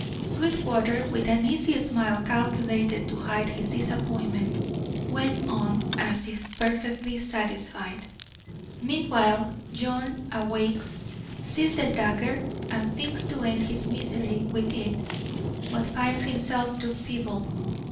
Sweetwater, with an easy smile calculated to hide his disappointment, went on as if perfectly satisfied. "Meanwhile John awakes, sees the dagger, and thinks to end his misery with it, but finds himself too feeble.